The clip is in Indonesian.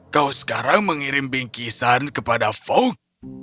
kau sekarang mengirim pinky san kepada fok